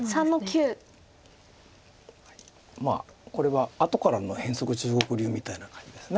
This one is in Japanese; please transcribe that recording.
これは後からの変則中国流みたいな感じです。